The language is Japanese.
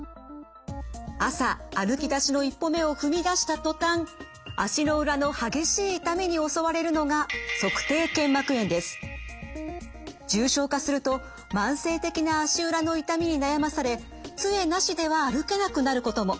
朝歩きだしの１歩目を踏み出した途端足の裏の激しい痛みに襲われるのが重症化すると慢性的な足裏の痛みに悩まされつえなしでは歩けなくなることも。